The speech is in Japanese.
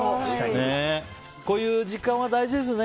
こういう時間は大事ですね。